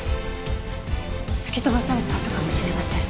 突き飛ばされた痕かもしれません。